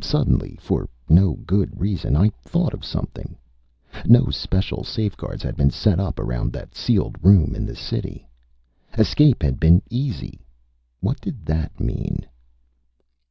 Suddenly, for no good reason, I thought of something. No special safeguards had been set up around that sealed room in the city. Escape had been easy. What did that mean?